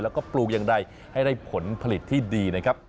แล้วก็ปลูกอย่างใดให้ได้ผลผลิตที่ดีนะครับ